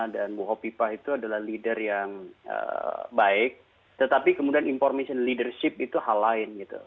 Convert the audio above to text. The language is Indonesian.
dan bu hopipa itu adalah leader yang baik tetapi kemudian information leadership itu hal lain gitu